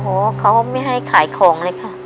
โอ้เขาไม่ให้ขายของเลยค่ะ